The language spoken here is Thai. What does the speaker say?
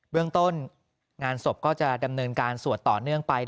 เรื่องต้นงานศพก็จะดำเนินการสวดต่อเนื่องไป